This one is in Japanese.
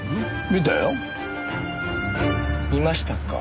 見ましたか。